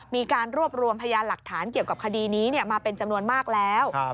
มีการรวบรวมพยานหลักฐานเกี่ยวกับคดีนี้มาเป็นจำนวนมากแล้ว